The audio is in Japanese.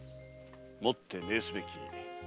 もって瞑すべき。